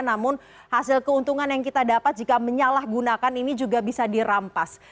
namun hasil keuntungan yang kita dapat jika menyalahgunakan ini juga bisa dirampas